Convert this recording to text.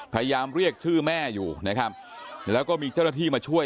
พยายามเรียกชื่อแม่อยู่นะครับแล้วก็มีเจ้าหน้าที่มาช่วย